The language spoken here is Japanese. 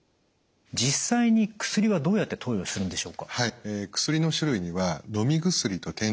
実際に薬はどうやって投与するんでしょうか？